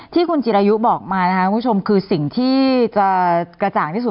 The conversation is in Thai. ที่คุณจิรายุบอกมานะครับคุณผู้ชมคือสิ่งที่จะกระจ่างที่สุด